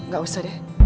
gak usah deh